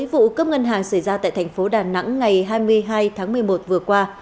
vụ cướp ngân hàng xảy ra tại thành phố đà nẵng ngày hai mươi hai tháng một mươi một vừa qua